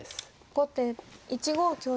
後手１五香車。